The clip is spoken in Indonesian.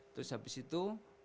terus sampai situ